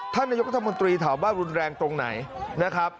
ท่านนายกรัฐมนตรีถามว่ารุนแรงตรงไหนนะครับ